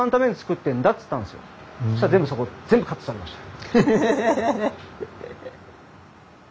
そしたら全部そこ全部カットされました。